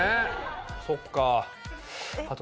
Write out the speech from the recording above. そっか。